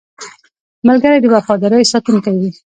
ملګری د وفادارۍ ساتونکی وي